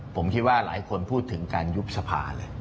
ผมคิดว่าหลายคนพูดถึงการยุบสภาเลย